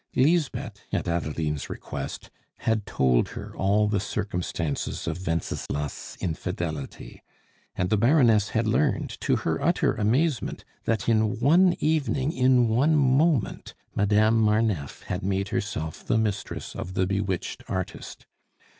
Lisbeth, at Adeline's request, had told her all the circumstances of Wenceslas' infidelity; and the Baroness had learned to her utter amazement, that in one evening in one moment, Madame Marneffe had made herself the mistress of the bewitched artist.